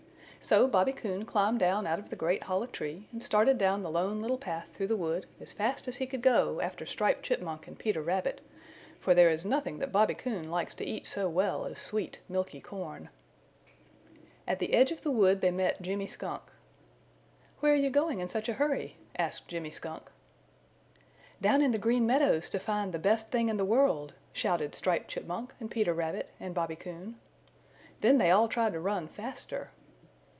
So Bobby Coon climbed down out of the great hollow tree and started down the Lone Little Path through the wood as fast as he could go after Striped Chipmunk and Peter Rabbit, for there is nothing that Bobby Coon likes to eat so well as sweet milky corn. At the edge of the wood they met Jimmy Skunk. "Where are you going in such a hurry?" asked Jimmy Skunk. "Down in the Green Meadows to find the Best Thing in the World!" shouted Striped Chipmunk and Peter Rabbit and Bobby Coon. Then they all tried to run faster.